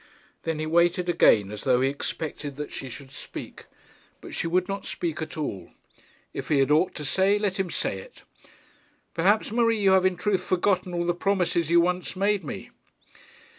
Then he waited again, as though he expected that she should speak. But she would not speak at all. If he had aught to say, let him say it. 'Perhaps, Marie, you have in truth forgotten all the promises you once made me?'